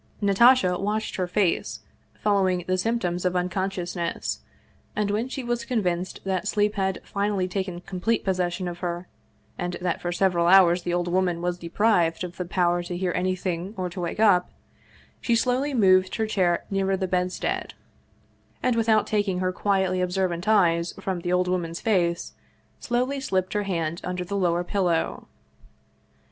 Natasha watched her face following the symptoms of unconsciousness, and when she was convinced that sleep had finally taken complete possession of her, and that for several hours the old woman was deprived of the power to hear anything or to wake up, she slowly moved her chair nearer the bedstead, and with out taking her quietly observant eyes from the old woman's face, softly slipped her hand under the lower pillow.